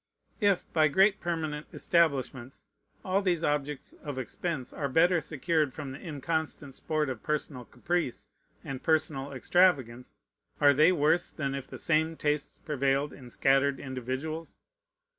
If by great permanent establishments all these objects of expense are better secured from the inconstant sport of personal caprice and personal extravagance, are they worse than if the same tastes prevailed in scattered individuals?